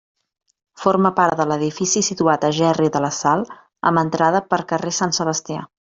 Forma part de l'edifici situat a Gerri de la Sal, amb entrada per carrer Sant Sebastià.